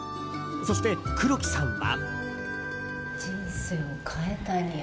そして、黒木さんは。